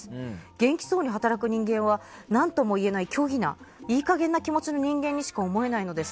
元気そうに働く人間は何とも言えない虚偽ないいかげんな気持ちの人間にしか思えないのです。